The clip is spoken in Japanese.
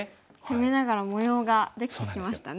攻めながら模様ができてきましたね。